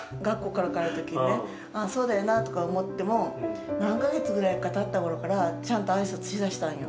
「ああそうだよな」とか思っても何か月ぐらいかたった頃からちゃんと挨拶しだしたんよ。